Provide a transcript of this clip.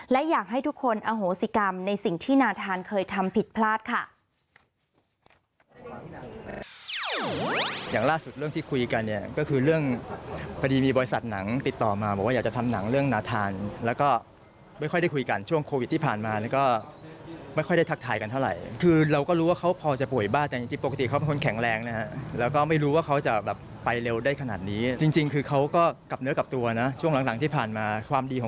และอยากให้ทุกคนอโหสิกรรมในสิ่งที่นาธานเคยทำผิดพลาดค่ะ